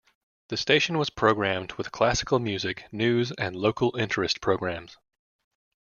The station was programmed with classical music, news and local interest programs.